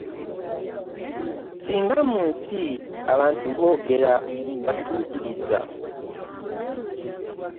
Ssinga mu nsi abantu boogera batuukiriza.